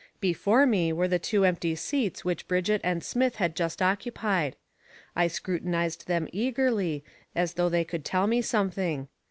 Before me, were the two empty seats which Brigitte and Smith had just occupied; I scrutinized them eagerly as though they could tell me something.